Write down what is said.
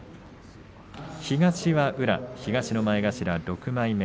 東は宇良、東の前頭６枚目